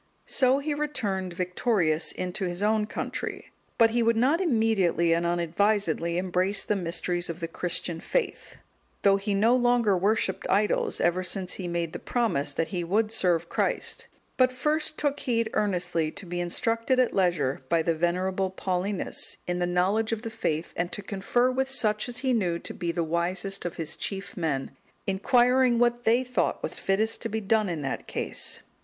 So he returned victorious into his own country, but he would not immediately and unadvisedly embrace the mysteries of the Christian faith, though he no longer worshipped idols, ever since he made the promise that he would serve Christ; but first took heed earnestly to be instructed at leisure by the venerable Paulinus, in the knowledge of faith, and to confer with such as he knew to be the wisest of his chief men, inquiring what they thought was fittest to be done in that case.